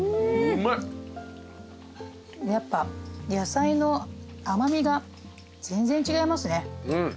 やっぱ野菜の甘味が全然違いますね。